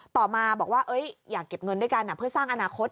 ต่อมาบอกว่าอยากเก็บเงินด้วยกันเพื่อสร้างอนาคต